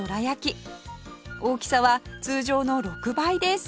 大きさは通常の６倍です